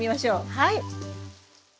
はい！